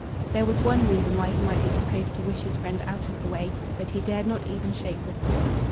There was one reason why he might be supposed to wish his friend out of the way, but he dared not even shape the thought.